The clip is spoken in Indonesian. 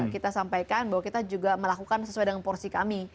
kita sampaikan bahwa kita juga melakukan sesuai dengan porsi kami